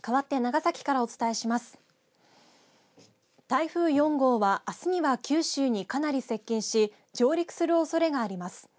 台風４号は、あすには九州にかなり接近し上陸するおそれがあります。